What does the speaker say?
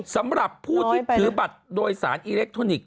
สำหรับผู้ที่ถือบัตรโดยสารอิเล็กทรอนิกส